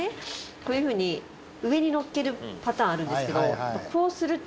こういうふうに上にのっけるパターンあるんですけどこうすると。